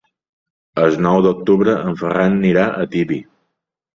El nou d'octubre en Ferran anirà a Tibi.